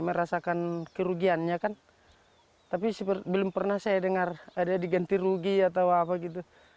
merasakan kerugiannya kan tapi belum pernah saya dengar ada diganti rugi atau apa gitu